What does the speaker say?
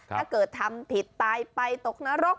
ถ้าเกิดทำผิดตายไปตกนรก